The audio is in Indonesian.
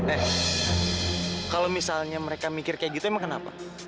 eh kalau misalnya mereka mikir kayak gitu emang kenapa